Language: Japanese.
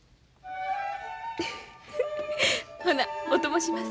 ほなお供します。